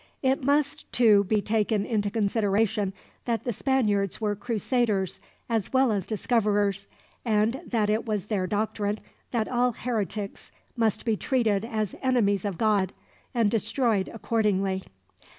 It must, too, be taken into consideration that the Spaniards were crusaders as well as discoverers; and that it was their doctrine that all heretics must be treated as enemies of God, and destroyed accordingly.